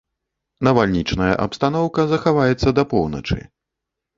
Навальнічная абстаноўка захаваецца да паўночы.